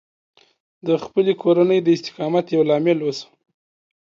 د خپلې کورنۍ د استقامت یو لامل اوسه